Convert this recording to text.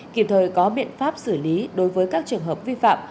kịp thời có biện pháp xử lý đối với các trường hợp vi phạm